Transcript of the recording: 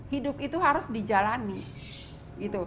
hidup itu harus dijalani